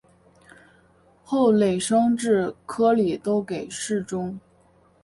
后累升至礼科都给事中。